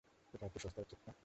এটা একটু সস্তা হচ্ছে, না?